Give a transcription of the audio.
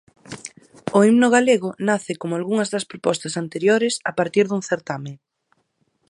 O Himno Galego nace, como algunhas das propostas anteriores, a partir dun certame.